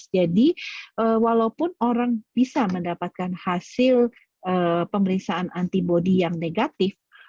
jadi walaupun orang bisa mendapatkan hasil pemeriksaan antibody yang negatif